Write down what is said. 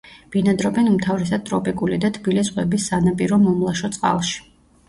ბინადრობენ უმთავრესად ტროპიკული და თბილი ზღვების სანაპირო მომლაშო წყალში.